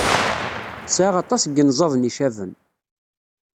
Tesɛa aṭas n yenẓaden icaben.